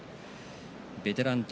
ベテラン宝